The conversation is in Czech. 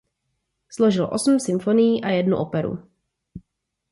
Složil osm symfonií a jednu operu.